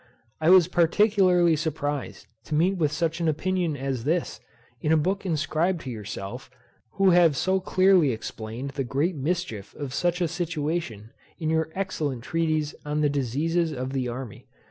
I was particularly surprised, to meet with such an opinion as this, in a book inscribed to yourself, who have so clearly explained the great mischief of such a situation, in your excellent treatise on the diseases of the army.